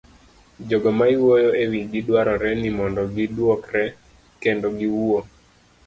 Jogo ma iwuoyo ewigi dwarore ni mondo giduokre kendo giwuo.